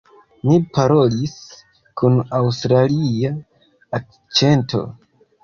Mi parolis kun aŭstralia akĉento.